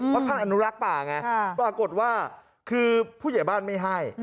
เพราะท่านอนุรักษ์ป่าไงปรากฏว่าคือผู้ใหญ่บ้านไม่ให้